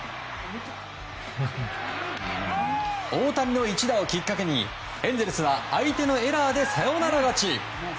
大谷の一打をきっかけにエンゼルスは相手のエラーでサヨナラ勝ち。